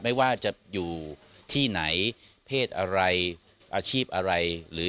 ไม่ว่าจะอยู่ที่ไหนเพศอะไรอาชีพอะไรหรือ